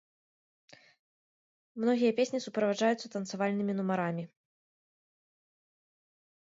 Многія песні суправаджаюцца танцавальнымі нумарамі.